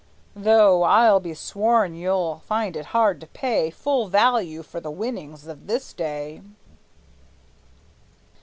Though I'll be sworn you'll find it hard to pay Full value for the winnings of this day."